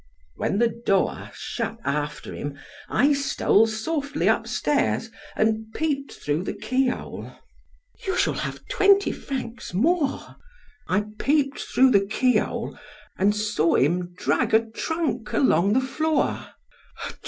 "When the door shut after him, I stole softly up stairs, and peeped through the keyhole." "You shall have twenty francs more." "I peeped through the keyhole, and saw him drag a trunk along the floor."